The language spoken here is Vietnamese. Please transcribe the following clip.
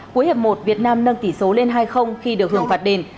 cuối hiệp một việt nam nâng tỷ số lên hai khi được hưởng phạt đền